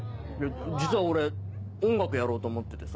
実は俺音楽やろうと思っててさ。